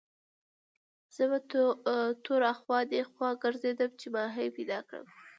زه په تور اخوا دېخوا ګرځېدم چې ماهي پیدا کړم.